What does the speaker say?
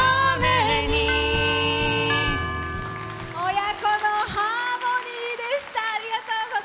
親子のハーモニーでした！